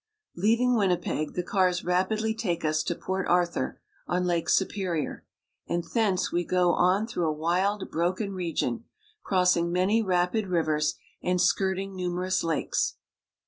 Leaving Winnipeg, the cars rapidly take us to Port Arthur, on Lake Superior, and thence we go on through a wild, broken region, crossing many rapid rivers, and skirting numerous lakes.